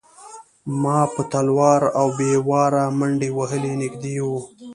ما په تلوار او بې واره منډې وهلې نږدې و.